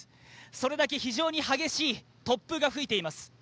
それだけ非常に激しい突風が吹いています。